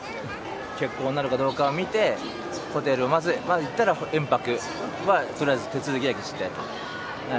欠航になるかどうかを見て、ホテルにまず、ホテルにまず行ったら、延泊はとりあえず手続きだけして。